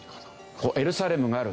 エルサレムがあるここ。